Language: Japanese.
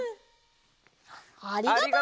ありがとう。